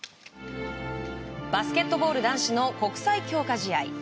バスケットボール男子の国際強化試合。